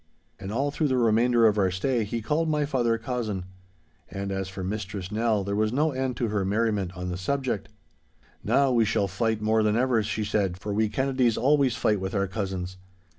And all through the remainder of our stay he called my father 'cousin.' And as for Mistress Nell, there was no end to her merriment on the subject. 'Now we shall fight more than ever,' she said, 'for we Kennedies always fight with our cousins.